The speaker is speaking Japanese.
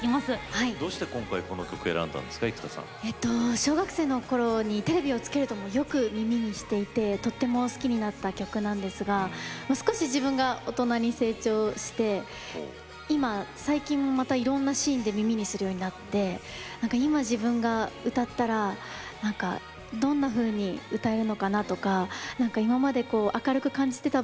小学生のころに、よくテレビをつけるとよく耳にしていてとっても好きになった曲なんですが、少し自分が大人に成長して、今、最近また、いろんなシーンで耳にするようになって今、自分が歌ったらどんなふうに歌えるのかなとか今まで明るく感じてた